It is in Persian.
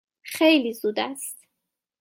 خیلی زود است.